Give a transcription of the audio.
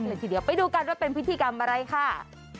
เลยทีเดียวไปดูกันว่าเป็นพิธีกรรมอะไรค่ะ